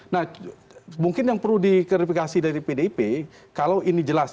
nah mungkin yang perlu diklarifikasi dari pdip kalau ini jelas